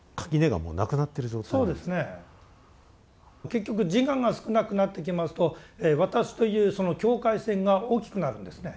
結局自我が少なくなってきますと私というその境界線が大きくなるんですね。